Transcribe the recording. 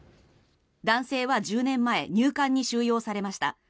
男性は１０年前入管に収容されました。